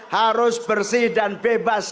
harus bersih dan bebas